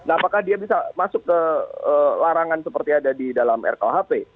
apakah dia bisa masuk ke larangan seperti ada di dalam rkuhp